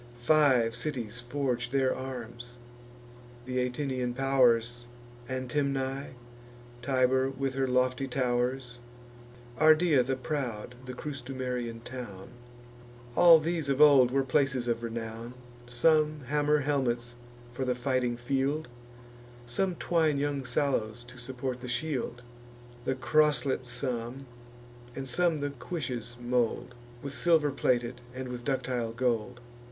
Five cities forge their arms: th' Atinian pow'rs, Antemnae, Tibur with her lofty tow'rs, Ardea the proud, the Crustumerian town: All these of old were places of renown. Some hammer helmets for the fighting field; Some twine young sallows to support the shield; The croslet some, and some the cuishes mould, With silver plated, and with ductile gold.